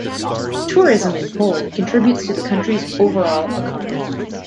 Tourism in Poland contributes to the country's overall economy.